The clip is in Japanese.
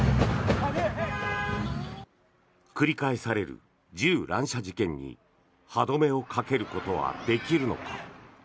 繰り返される銃乱射事件に歯止めをかけることはできるのか。